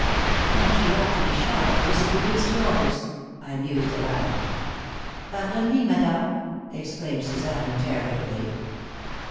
"And she ought to be shot for disobedience to orders," I mused, aloud. "Pardon me, madame?" exclaimed Suzanne, interrogatively.